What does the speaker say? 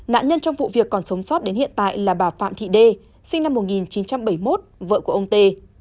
nạn nhân trong vụ việc còn sống sót đến hiện tại là bà phạm thị đê sinh năm một nghìn chín trăm bảy mươi một vợ của ông tê